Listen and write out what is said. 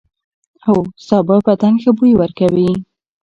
هو، سابه بدن ښه بوی ورکوي.